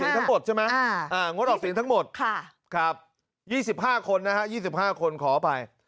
มองจะมั้ยงดออกเสียงทั้งหมดครับ๒๕คนนะฮะ๒๕คนขอไป